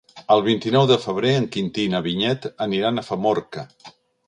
El vint-i-nou de febrer en Quintí i na Vinyet aniran a Famorca.